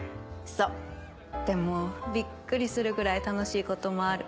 そうでもビックリするぐらい楽しいこともある。